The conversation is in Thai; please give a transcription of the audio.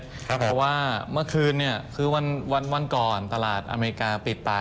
เพราะว่าเมื่อคืนคือวันก่อนตลาดอเมริกาปิดไป